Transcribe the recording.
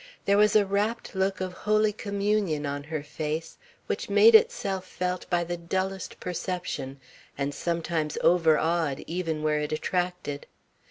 There was a rapt look of holy communion on her face, which made itself felt by the dullest perception, and sometimes overawed even where it attracted.